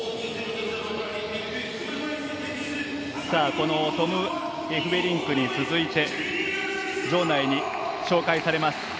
このトム・エフベリンクに続いて場内に紹介されました。